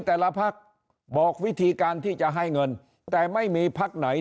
แต่ละพักบอกวิธีการที่จะให้เงินแต่ไม่มีพักไหน